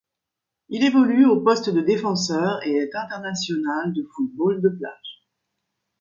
Il évolue au poste de défenseur et est international de football de plage.